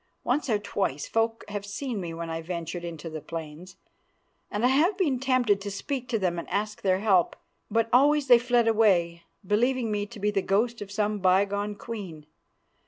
Once or twice folk have seen me when I ventured to the plains, and I have been tempted to speak to them and ask their help. But always they fled away, believing me to be the ghost of some bygone queen.